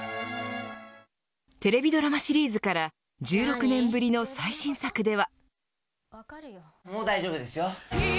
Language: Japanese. テレビドラマシリーズから１６年ぶりの最新作では。